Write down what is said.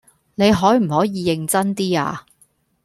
你可唔可以認真 D 呀？